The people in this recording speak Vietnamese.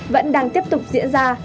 vẫn đang tiếp tục diễn ra